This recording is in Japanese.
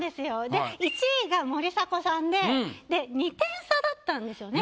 で１位が森迫さんでで２点差だったんですよね